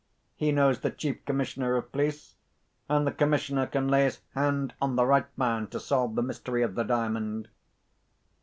He knows the Chief Commissioner of Police, and the Commissioner can lay his hand on the right man to solve the mystery of the Diamond.